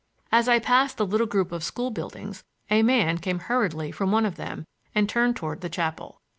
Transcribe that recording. As I passed the little group of school buildings a man came hurriedly from one of them and turned toward the chapel.